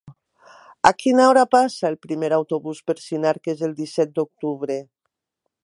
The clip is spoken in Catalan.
A quina hora passa el primer autobús per Sinarques el disset d'octubre?